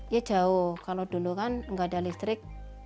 ya jauh kalau dulu kan nggak ada listrik